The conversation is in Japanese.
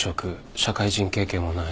社会人経験もない。